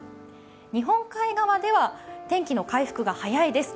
日本海側では、天気の回復が早いです。